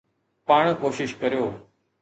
پاڻ ڪوشش ڪريو.